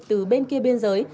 từ bên kia biên giới